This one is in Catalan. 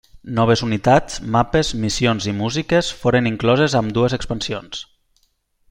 Noves unitats, mapes, missions i músiques foren incloses a ambdues expansions.